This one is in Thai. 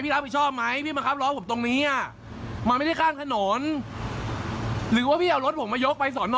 รับผิดชอบไหมพี่มาครับล้อผมตรงนี้อ่ะมันไม่ได้ข้ามถนนหรือว่าพี่เอารถผมมายกไปสอนอ